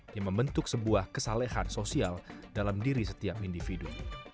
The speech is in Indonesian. yang membentuk sebuah kesalahan sosial dalam diri setiap individu